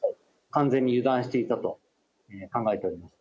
完全に油断していたと考えております。